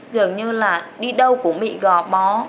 dường như là đi đâu cũng bị gò bó